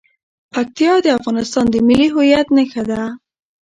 پکتیا د افغانستان د ملي هویت نښه ده.